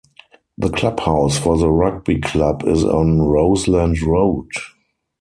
The club house for the rugby club is on Roseland Road.